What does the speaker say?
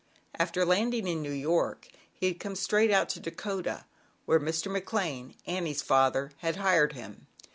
After landing in New York he had come straight out to Dakota, where Mr. Mc Lane, Annie's father, had hired him.